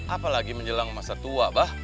apalagi menjelang masa tua bah